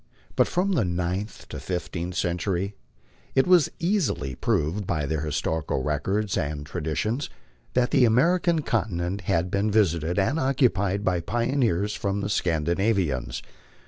But from the ninth to the fifteenth century it is easily proved by their historical records and tra ditions that the American continent had been visited and occupied by pioneers from the Scandinavians.